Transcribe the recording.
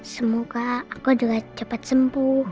semoga aku juga cepat sembuh